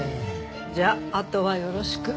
じゃああとはよろしく。